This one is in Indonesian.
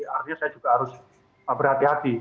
artinya saya juga harus berhati hati